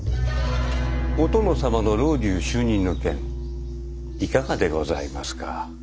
お殿様の老中就任の件いかがでございますか？